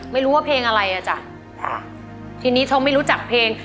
ไม่รู้ว่าเพลงอะไรอ่ะจ้ะทีนี้ชมไม่รู้จักเพลง